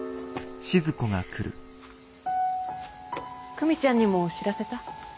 久美ちゃんにも知らせた？